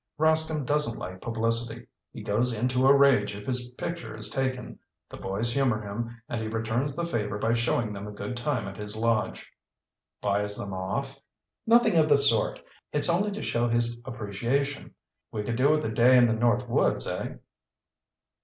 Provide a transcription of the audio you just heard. "Rascomb doesn't like publicity. He goes into a rage if his picture is taken. The boys humor him, and he returns the favor by showing them a good time at his lodge." "Buys them off?" "Nothing of the sort. It's only to show his appreciation. We could do with a day in the north woods, eh?"